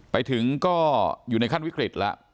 ไปถึงก็อยู่ในขั้นวิกฤตแล้ว